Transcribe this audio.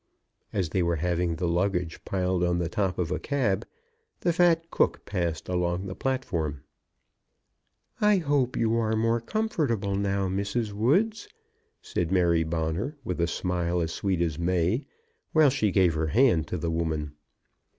As they were having the luggage piled on the top of a cab, the fat cook passed along the platform. "I hope you are more comfortable now, Mrs. Woods," said Mary Bonner, with a smile as sweet as May, while she gave her hand to the woman.